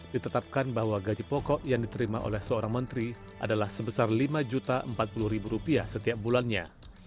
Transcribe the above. ditetapkan bahwa gaji pokok yang diterima oleh seorang menteri adalah sebesar rp lima empat puluh setiap bulannya